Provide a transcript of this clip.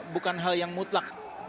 bukan hal yang mutlak